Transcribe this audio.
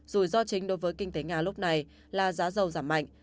rủi ro chính đối với kinh tế nga lúc này là giá dầu giảm mạnh